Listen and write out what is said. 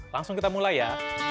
langsung kita mulai ya